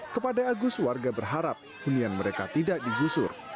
kepada agus warga berharap hunian mereka tidak digusur